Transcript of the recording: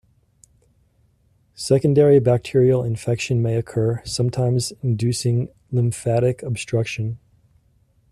Secondary bacterial infection may occur, sometimes inducing lymphatic obstruction.